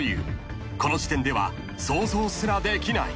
［この時点では想像すらできない］